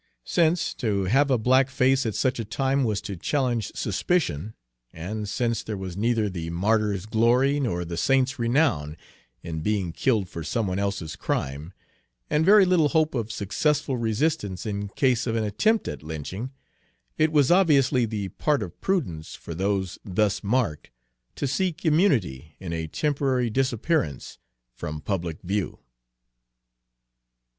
Since to have a black face at such a time was to challenge suspicion, and since there was neither the martyr's glory nor the saint's renown in being killed for some one else's crime, and very little hope of successful resistance in case of an attempt at lynching, it was obviously the part of prudence for those thus marked to seek immunity in a temporary disappearance from public view.